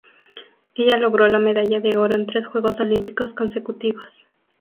Ella logró la medalla de oro en tres Juegos Olímpicos consecutivos.